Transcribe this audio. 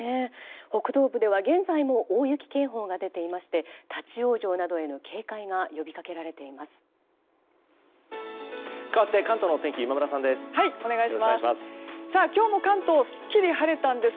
北東部では現在も大雪情報が出ていまして立ち往生などへの警戒が呼びかけられています。